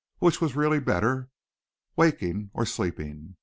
Which was really better, waking or sleeping?